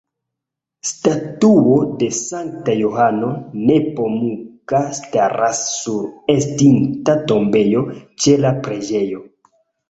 Statuo de Sankta Johano Nepomuka staras sur estinta tombejo ĉe la preĝejo.